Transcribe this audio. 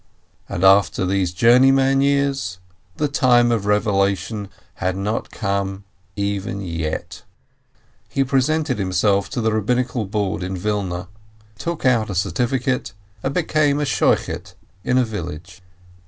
And after these journeyman years, the time of revelation had not come even yet. He presented himself to the Rab binical Board in Wilna, took out a certificate, and be came a Shochet in a village.